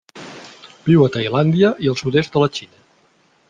Viu a Tailàndia i el sud-est de la Xina.